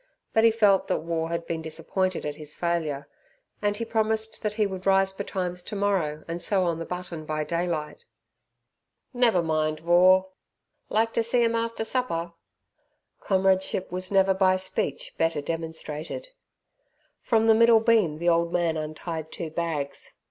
But he felt that War had been disappointed at his failure, and he promised that he would rise betimes tomorrow and sew on the button by daylight. "Never mind, War; like ter see 'em after supper?" Comradeship was never by speech better demonstrated. From the middle beam the old man untied two bags.